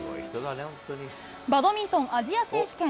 バドミントンアジア選手権。